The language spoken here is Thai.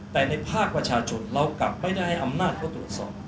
แต่ในภาคประชาชนเรากลับไม่ได้ให้อำนาจเขาตรวจสอบ